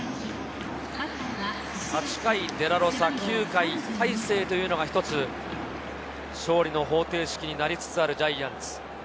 ８回デラロサ、９回大勢というのが勝利の方程式になりつつあるジャイアンツ。